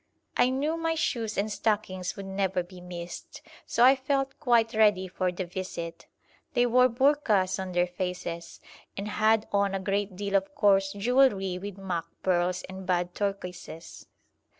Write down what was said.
I knew my shoes and stockings would never be missed, so I felt quite ready for the visit. They wore bourkos on their faces, and had on a great deal of coarse jewellery with mock pearls and bad turquoises.